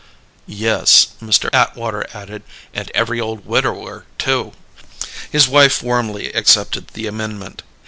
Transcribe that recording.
"Yes," Mr. Atwater added. "And every old widower, too." His wife warmly accepted the amendment.